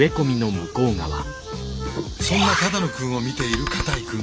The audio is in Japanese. そんな只野くんを見ている片居くん。